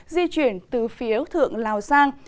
di chuyển từ phía ước thượng lào sang